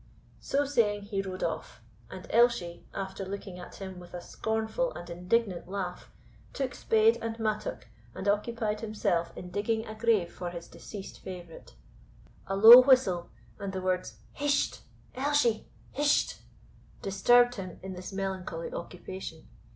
So saying, he rode off; and Elshie, after looking at him with a scornful and indignant laugh, took spade and mattock, and occupied himself in digging a grave for his deceased favourite. A low whistle, and the words, "Hisht, Elshie, hisht!" disturbed him in this melancholy occupation.